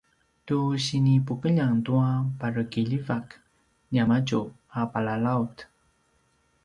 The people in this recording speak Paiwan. tu sinipukeljang tua parekiljivak niamadju a palalaut